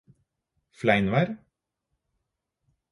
Fleinvær